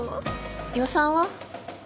予算は？